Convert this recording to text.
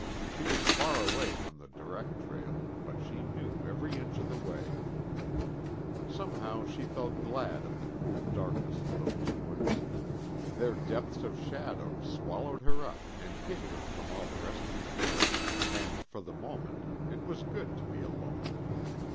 She was far away from the direct trail, but she knew every inch of the way. Somehow she felt glad of the cool darkness of those woods. Their depth of shadow swallowed her up and hid her from all the rest of the world, and, for the moment, it was good to be alone.